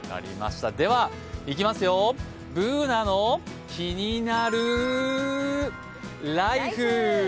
では「ＢｏｏｎａのキニナルＬＩＦＥ」。